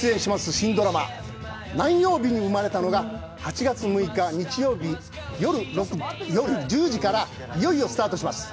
新ドラマ「何曜日に生まれたの」が８月６日、日曜よる１０時からいよいよスタートします。